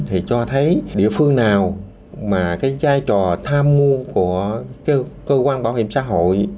thì cho thấy địa phương nào mà cái giai trò tham mưu của cơ quan bảo hiểm xã hội